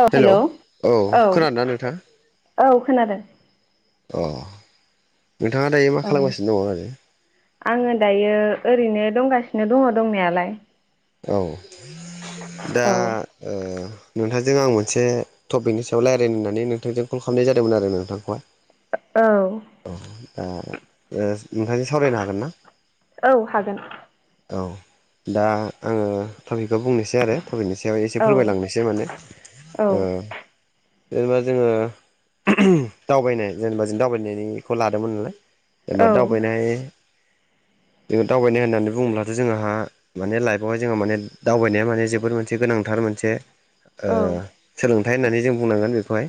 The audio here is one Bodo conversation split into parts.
औ हेलौ हेल! ' औ खोनादोंना नोंथां औ खोनादों। अ नोंथाङा दायो मा ओ खालामगासिनो दङ आरो। आङो दायो ओरैनो दंगासिनो दङ दंनायालाय। औ दा औ ओ नोंथांजों आं मोनसे टपिकनि सायाव रायज्लायनो होननानै नोंथांजों कल खालामनाय जादोंमोन आरो नोंथांखौहाय। औ। नोंथांजों सावरायनो हागोन ना? औ हागोन‌। औ, दा आङो टपिक खो बुंनोसै आरो, टपिकनि सायाव एसे औ फोरमायलांनोसै माने औ ओ जेनेबा जोङो दावबायनाय जेनेबा जों दावबायनायनिखौ लादोंमोन नालाय। जेनेबा औ दावबायनाय जोङो दावबायनाय होननानै बुङोब्लाथ' जोंहा माने लाइफ बावहाय जोंहा माने दावबायनाया माने जोबोद मोनसे गोनांथार मोनसे ओ औ सोलों थाय होननानै जों बुंनांगोन बेखौहाय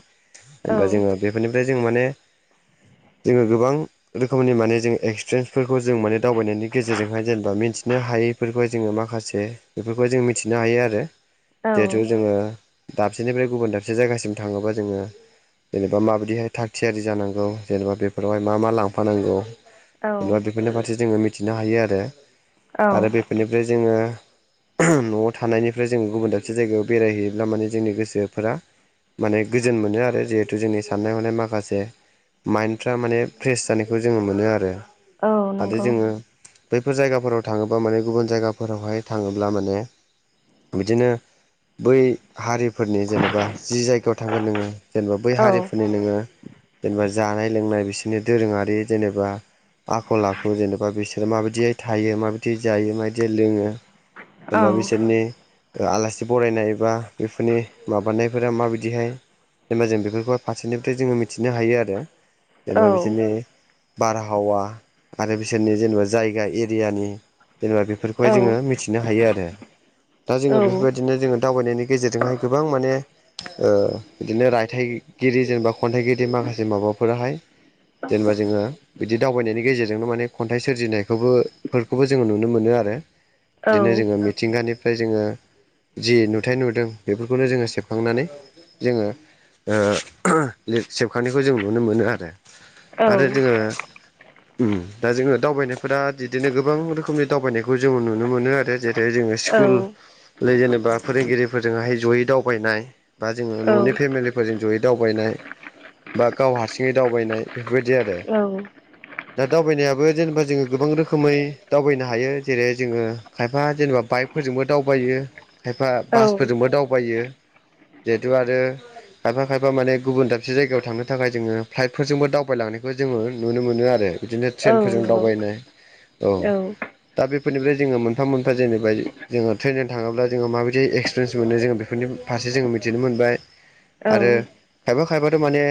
जेनेबा जोङो बेफोरनिफ्राय जों माने जोङो गोबां रोखोमनि माने जों एक्सत्रेनस जों माने दावबायनायनि गेजेरजोंहाय जेनेबा मे थिनो हायैफोरखौ जोङो माखासे से बेफोरखौ जों मिथिनो हायो आरो जिहेथु जोङो दाबसेनिफ्राय गुबुन दाबसे जायगासिम थाङोब्ला जोङो जेनेबा माबायदिहै थाग थियारि जानांगौ जेनेबा बेफोरावहाय मा मा लांफानांगौ औ जेनोबा बेफोरनि फारसे जोङो मिथिनो हायो आरो औ आरो बेफोरनिफ्राय जोङो ओम न'आव थानायनिफ्राय जोङो गुबुन दाबसे जायगायाव बेरायहैयोब्ला मानि जोंनि गोसोफोरा माने गोजोन मोनो आरो जेहेथु जोंनि साननाय हनाय माखासे माइन्टफ्रा माने फ्रेस जानायखौ जोङो मोनो आरो औ आरो नंगौ जोङो बैफोर जायगाफोराव थाङोबा माने गुबुन जायगाफोरावहाय थाङोब्ला माने बिदिनो बै हारिफोरनि जेनोबा जि जायगायाव थांगोन नोङो जेनोबा बै औ हारिफोरनि नोङो जेनोबा जानाय लोंनाय बिसोरनि दोरोङारि जेनोबा आखल आखु जेनोबा बिसोर माबायदियै थायो माबायदियै जायो मायदियै लोङो औ जेनोबा‌ बिसोरनि आलासि बरायनाय बा बेफोरनि माबानायफोरा माबायदिहाय इमाजिन बेफोरखौह फारसेनिफ्राय जोङो मिथिनो हायो आरो औ जेनोबा बिसोरनि बारहावा आरो बिसोरनि जेनोबा जायगा एरियानि जेनोबा बेफोरखौहाय औ जोङो मिथि नो हायो आरो दा जोङो बेफोरबायदिनो जोङो दावबायनायनि गेजेरजोंहाय गोबां माने ओ बिदिनो रायथाइगिरि जेनेबा खन्थाइगिरि माखासे माबाफोराहाय जेनोबा जोङो बिदि दावबायनायनि गेजेरजोंनो मानि खन्थाइ सोरजिनायखौबो फोरखौबो जोङो नुनो मोनो आरो आरो औ बिदिनो जोङो मिथिंगानिफ्राय जोङो जि नुथाय नुदों बेफोरखौनो जोङो सेबखांनानै जोङो ओ उम सेबखानायखौ जों नुनो मोनो आरो औ आरो जोङो उम दा जोङो दावबायनायफोरा दिदोनो गोबां रोखोमनि दावबायनायखौ जोङो नुनो मोनो आरो जेरै जोङो स्कुल नंगौ जेनोबा फोरोंगिरिफोरजोंहाय जयै दावबायनाय बा जोङो न'नि फेमिलिफोरजों जयै दावबायनाय बा गाव हारसिङै दावबायनाय बेफोर बायदि आरो औ औ दा दावबायनायाबो जेनोबा जोङो गोबां रोखोमै दावबायनो हायो जेरै जोङो खायफा जेनेबा बाइकफोरजोंबो दावबायो खायफा बासफोरजोंबो दावबायो जिहेथु आरो खायफा खायफा मानि गुबुन दाबसे जायगायाव थांनो थाखाय जोङो फ्लाइटफोरजोंबो दावबायलांनायखौ जोङो नुनो मोनो आरो बिदिनो ट्रेनफोरजों औ दावबायनाय औ दा बे बेफोरनिफ्राय जों मोनफा मोनफा जेनोबा जोङो ट्रेनजों थाङोब्ला जोङो माबायदि एक्सपेरियेन्स मोनो बेफोरनि फार जों मिथिनो मोनबाय आरो औ खायफा खायफाथ' माने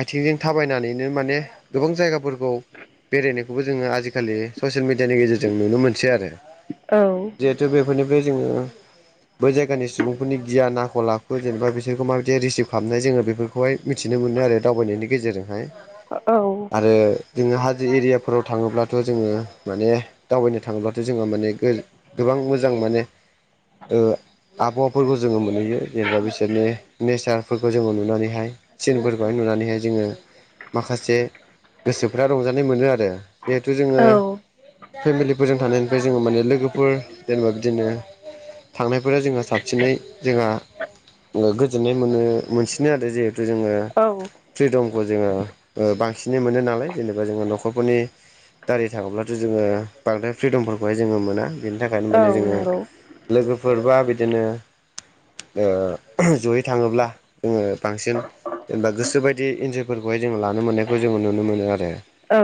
आथिंजों थाबायनानैनो माने गोबां जायगाफोरखौ बेरायनायखौबो जोङो आजिखालि ससियेल मेडियानि गेजेरजों नुनो मोनसै आरो औ बेनिफ्राय जोङो बै जायगानि सुबुंफोरनि गियान आखल लाखु जेनोबा बिसोरखौ माबायदि रिसिभ खालामनाय जोङो बेफोरखौहाय मिथिनो मोनो आरो दावबायनायनि गेजेरजोंहाय आरो जोङो हाजो एरियाफोराव थाङोब्लाथ' जोङो माने दावबायनो थाङोब्ला जोङो माने गोबां मोजां माने ओ आबहावाफोरखौ जोङो मोनहैयो जेनोबा बिसोरनि नेसारफोरखौ जोङो नुनानैहाय सिनफोरखौहाय नुनानैहाय जोङो माखासे गोसोफ्रा रंजानाय मोनो आरो जिहेथु जोङो औ फेमिलिफोरजों था ओमफ्राय जोङो माने लोगोफोर जेनेबा बिदिनो थांनायफोरा जोंहा साबसिनै जोंहा ओ गोजोननाय मोनो- मोनसिनो आरो जे जोङो औ फ्रिदम जोङो बांसिनै मोनो नालाय जेनेबा जोङो न'खरफोरनि दारि थागोब्लाथ' जोङो बांद्राय फ्रिदमफोरखौ बेहाय जोङो मोना बिनि थाखायनो औ माने जोङो नंगौ लोगोफोरबा बिदिनो ओ जयै थाङोब्ला जोङो बांसिन जेनेबा गोसो बायदि इन्जफोरखौहाय जोङो लानो मोननायखौ जोङो नुनो मोनो आरो औ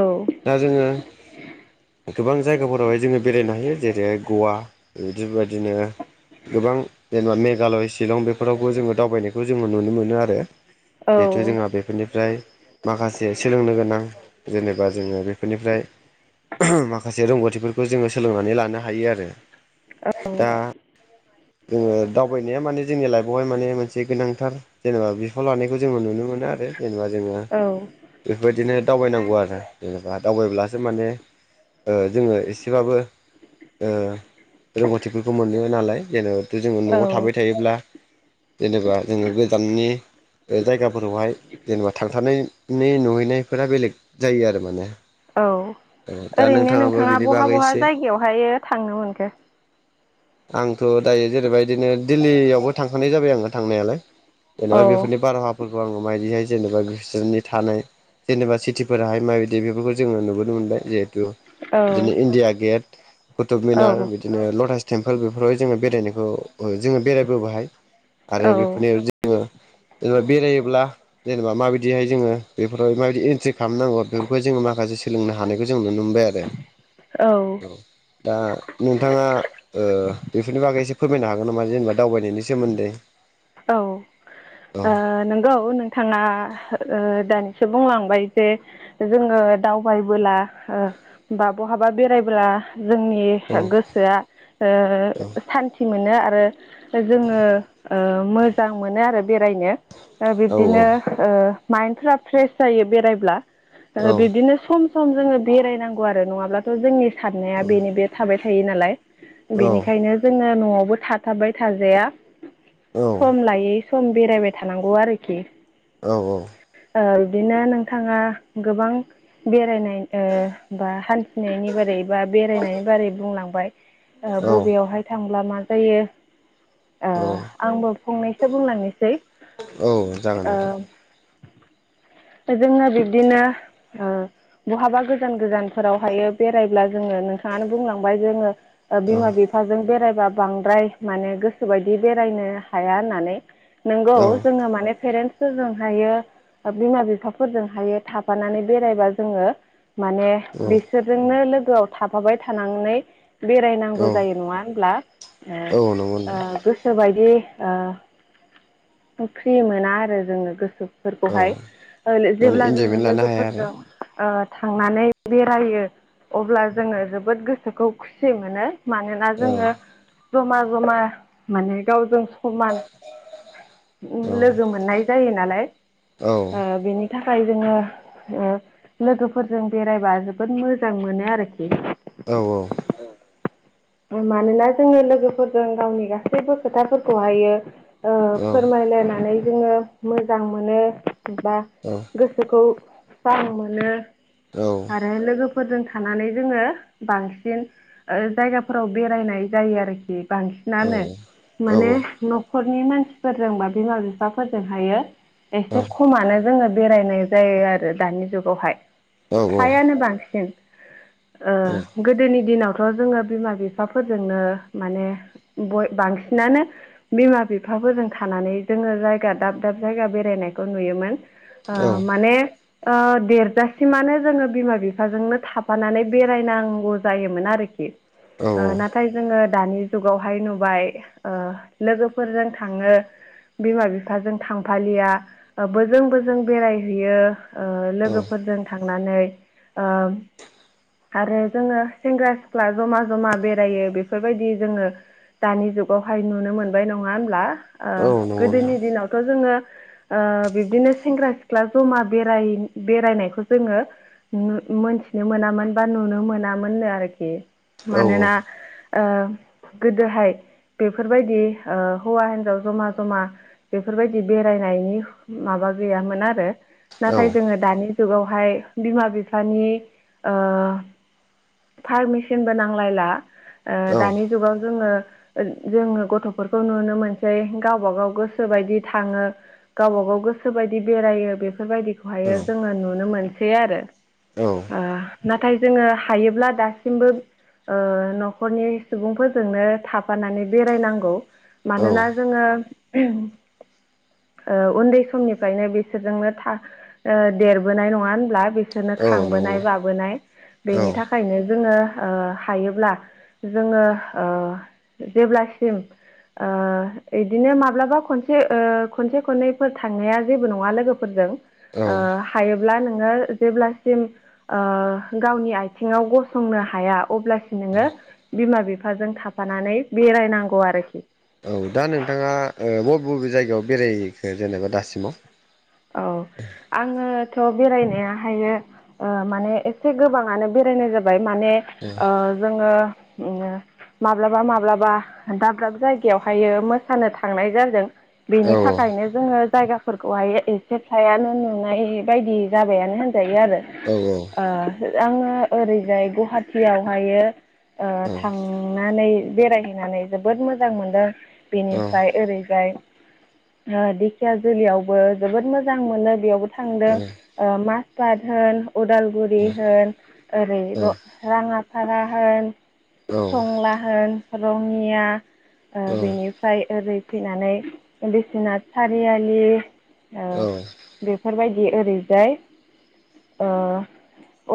दा जोङो गोबां जायगाफोरावहाय जोङो बि बेरायनो हायो जेरै गवा बिदिबायदिनो गोबां जेनेबा मेघालय शिलं बेफोरावबो जोङो दावबायनायखौ जोङो नुनो मोनो आरो। बेथ' जोंहा बेफोरनि फ्राय माखासे सोलोंनो गोनां जेनेबा जोङो बेफोरनिफ्राय माखासे रोंगौथिफोरखौ जोङो सोलोंनानै लानो हायो आरो औ दा जोङो दावबायनाया माने जोंनि लाइफआवहाय माने मोनसे गोनांथार जेनेबा बिफाव लानायखौ जोङो नुनो मोनो आरो जेनेबा जोङो औ बेफोरबायदिनो दावबायनांगौ आरो जेनेबा दावबायब्लासो माने जोङो एसेबाबो ओ रोंगौथिफोरखौ मोनो नालाय। जेनेबाथ' जोङो न'आव औ थाबाय थायोब्ला जेनेबा जोङो गोजाननि जायगाफोरावहाय जेनेबा थांथारनि नुहैनायफोरा बेलेग जायो आरो माने। औ औ दा ओरैनो नोंथाङाबो नोंथाङा बिनि बहा बागै बहा एसे जायगायावहाय थांनो मोनखो? आंथ' दायो जेनेबा इदिनो दिल्लीयावबो थांखानाय जाबाय आङो थांनायालाय। जेनेबा औ बेफोरनि बारहावाफोरखौ आङो मायदिहाय जेनेबा बिसोरनि थानाय जेनेबा सिटिफोराहाय माबायदि बेफोरखौ जोङो नुबोनो मोनबाय। जिहेतु औ बिदिनो इण्डिया गेट, कुतुब औ मिनार, बिदिनो लटास टेम्पोल बेफोरावाय जोङो बेरायनायखौ जोङो बेरायबोबायहाय। आरो बेफोरनि जोङो जेनेबा बेरायोब्ला जेनेबा माबादिहाय जोङो बेफोराव माबायदि इन्ट्रि खालामनांगौ बेफोरखौ जोङो मा खा माखासे सोलोंनो हानायखौ जों नुनो मोनबाय आरो। औ। दा नोंथाङा ओ बेफोरनि बागै एसे फोरमायनो हागोन नामा जेनेबा दावबायनायनि सोमोन्दै? औ। औ। नोंगौ नोंथाङा ओ दानिसो बुंलांबाय जे जोङो दावबायबो बोला ओ बा बहाबा बेरायबोला जोंनि औ गोसोआ ओ औ सान्थि मोनो आरो जोङो मोजां ओ मोनो आरो बेरायनो। ओ बिब्दिनो माइन्डफ्रा फ्रेस जायो बेरायब्ला। औ ओ बिब्दिनो सम सम जोङो बेरायनांगौ आरो नङाब्लाथ' जोंनि साननाया बेनो बे थाबाय थायो नालाय। औ बेनिखायनो जोङो न'आवबो थाथाबबाय थाजाया। औ सम लायै सम बेरायबाय थानांगौ आरोखि। औ औ। ओ बिब्दिनो नोंथाङा गोबां बेरायनाय ओ बा हान्थिनायनि बारै बा बेरायनायनि बारै बुंलांबाय। ओ औ बबेयावहाय थां ब्ला मा जायो, ओ औ आंबो फंनैसो बुंलांनोसै। औ जागोन ओ आदा। जोङो बिब्दिनो ओ बहाबा गोजान गोजानफोरावहायो बेरायब्ला जोङो नोंथाङानो बुंलांबाय जोङो औ बिमा बिफाजों बेरायबा बांद्राय माने गोसोबायदि बेरायनो हाया होननानै। नोंगौ औ जोङो माने फेरेन्टस। फोरजों हायो बिमा-बिफाफोरजों हायो थाफानानै बेरायबा जोङो। माने औ बिसोरजोंनो लोगोआव थाफाबाय थानानै। बेरायनांगौ औ जायो नङा होनब्ला? औ नंगौ नोंथां ओ-ओ गोसोबायदि। ओ फ्रि मोना आरो जोङो गोसो। औ फोरखौहाय। ओ लो माने जेब्ला जोङो इन्जयमेन्ट लानो हाया आरो लोगोफोरजों। ओ थांनानै बेरायो अब्ला जोङो जोबोद गोसोखौ खुसि मोनो। मानोना औ जोङो जमा-जमा माने गावजों समान। लोगो मोननाय जायो नालाय औ ओ बेनि। थाखाय जोङो ओ लोगोफोरजों बेरायबा जोबोद मोजां मोनो आरोखि। औ-औ। मानोना जोङो लोगोफोरजों गावनि गासैबो खोथाफोरखौ हायो। ओ औ फोरमायलायनानै जोङो मोजां मोनो बा औ गोसोखौ। जां मोनो औ औ आरो लोगो। फोरजों थानानै जोङो बांसिन ओ जायगाफोराव बेरायनाय जायो आरोखि। औ बांसिनानो माने न'ख। न'खरनि मानसिफोरजों बा बिमा-बिफाफोरजों हायो एसे खमानो जोङो। बेरायनाय जायो आरो दानि जुगावहाय। औ फ्रायानो बांसिन। ओ गोदोनि दिनावथ' जोङो बिमा। बिफाफोरजोंनो माने बय बांसिनानो बिमा-बिफाफोरजों थानानै। जोङो जायगा दाब-दाब जायगा बेरायनायखौ नुयोमोन ओ औ माने। ओ देरजासिमानो जोङो बिमा-बिफाजोंनो थाफानानै बेरायनांगौ जायोमोन आरोखि। औ ओ नाथाय जोङो दानि जुगावहाय नुबाय ओ लोगोफोरजों थाङो। बिमा-बिफाजों थांफालिया बोजों-बोजों बेरायहैयो। ओ लोगोफोरजों थांनानै ओ। आरो जोङो सेंग्रा-सिख्ला जमा-जमा। बेरायो बेफोरबायदि जोङो दानि जुगावहाय नुनो मोनबाय नङा होमब्ला? ओ औ नंगौ गोदोनि नोंथां दिनावथ' जोङो। ओ बिब्दिनो सेंग्रा-सिख्ला जमा बेराय बेरायनायखौ जोङो। नु मोनथिनो मोनामोन बा नुनो मोनामोननो आरोखि औ मानोना। ओ गोदोहाय। बेफोरबायदि ओ हौवा-हिनजाव जमा-जमा बेफोरबायदि बेरायनायनि माबा। गैयामोन आरो औ नाथाय जोङो दानि। जुगावहाय बिमा-बिफानि ओ। फारमिसनबो नांलायला ओ औ दानि जुगाव जोङो। ओ जोङो गथ'फोरखौ नुनो मोनसै गावबा-गाव गोसोबायदि थाङो गावबा-गाव। गोसोबायदि बेरायो बेफोरबायदिखौहायो जोङो नुनो मोनसै आरो। औ। ओ नाथाय जोङो हायोब्ला दासिमबो ओ। न'खरनि सुबुंफोरजोंनो थाफानानै बेरायनांगौ मानोना जोङो। [unintelligible] ओ उन्दै समनिफ्रायनो बिसोरजोंनो था ओ देरबोनाय नङा होनब्ला? बि। बिसोरनो खांबोनाय, नंगौ बाबोनाय औ बेनि थाखायनो जोङो ओ हायोब्ला। जोङो ओ जेब्लासिम। ओ बिदिनो माब्लाबा खनसे ओ खनसे-खननैफोर थांनाया जेबो नङा लोगोफोरजों। औ ओ हायो। ब्ला नोङो जेब्लासिम ओ गावनि आथिङाव गसंनो हाया अब्लासिम। नोङो बिमा-बिफाजों थाफानानै बेरायनांगौ आरोखि। औ दा नोंथाङा ओ बबे बबे जायगायाव बेरायहैखो जेनेबा दासिमाव? औ आङो। थ' बेरायनायाहायो ओ माने एसे गोबाङानो बेरायनाय जाबाय। माने ओ जोङो ओ माब्लाबा माब्लाबा दाब दाब जायगायावहायो मोसानो थांनाय जादों। औ बेनि थाखायनो जोङो जायगाफोरखौहाय ए से फायानो नुनाय बायदि जाबायानो होनजायो आरो। औ ओ आङो ओरैजाय गुवाहाटियावहायो ओ औ थांनानै बेरायहैनानै जोबोद मोजां मोनदों बेनिफ्राय ओरैजाय ओ दिखिया जुलियावबो जोबोद मोजां मोनो बेयावबो थांदों ओ माजबाद होन उदालगुरि होन ओरै र - राङाफारा होन टंला होन रङिया ओ बेनिफ्राय ओरै फैनानै बिसिनाथ सारियालि ओ बेफोरबायदि ओरैजाय ओ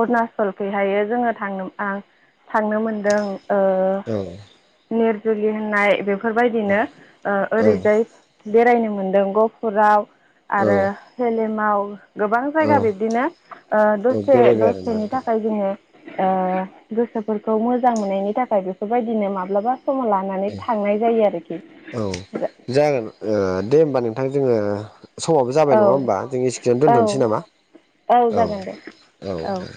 अरुणचलखैहायो जोङो थांनो थांनो मोनदों ओ नेरजुलि होननाय औ बेफोरबायदिनो ओ औ ओरैजाय बेरायनो मोनदों ग फुराव आरो हेलेमाव गोबां जायगा औ बिब्दिनो ओ दसे बेरायबाय आरोना दसेनि नोंथां थाखाय जोङो ओ गोसोफोरखौ मोजां मोननायनि थाखाय बेफोरबायदिनो माब्लाबा समाव लानानै औ थांनाय जायो आरोखि औ जागोन ओ दे होमबा नोंथां जोङो समाबो जाबाय औ नङा होमबा जों इसे खिनियावनो औ दोनथ'नोसै नामा! औ जागोन दे औ दे